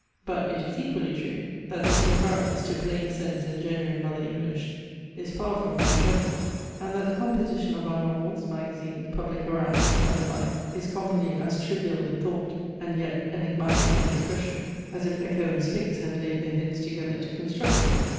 But it is equally true, that this recurrence to plain sense and genuine mother English is far from being general; and that the composition of our novels, magazines, public harangues, and the like is commonly as trivial in thought, and yet enigmatic in expression, as if Echo and Sphinx had laid their heads together to construct it.